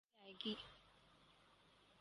لیکن ان کوموت نہیں آئے گی